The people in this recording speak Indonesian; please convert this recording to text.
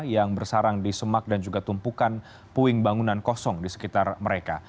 yang bersarang di semak dan juga tumpukan puing bangunan kosong di sekitar mereka